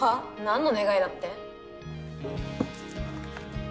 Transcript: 何の願いだって？